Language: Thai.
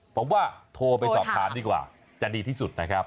ผมว่าโทรไปสอบถามดีกว่าจะดีที่สุดนะครับ